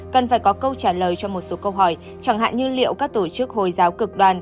cần phải có câu trả lời cho một số câu hỏi chẳng hạn như liệu các tổ chức hồi giáo cực đoàn